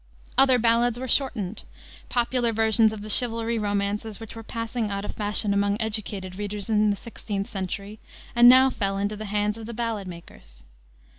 Other ballads were shortened, popular versions of the chivalry romances which were passing out of fashion among educated readers in the 16th century, and now fell into the hands of the ballad makers.